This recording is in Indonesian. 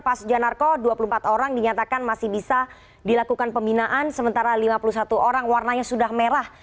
pak sujanarko dua puluh empat orang dinyatakan masih bisa dilakukan pembinaan sementara lima puluh satu orang warnanya sudah merah